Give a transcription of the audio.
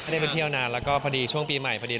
ได้ไปเที่ยวนานแล้วก็พอดีช่วงปีใหม่พอดี